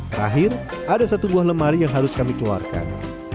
terakhir ada satu buah lemari yang harus kami keluarkan